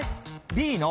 Ｂの。